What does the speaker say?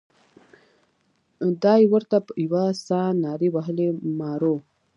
دای ورته په یوه ساه نارې وهي مارو.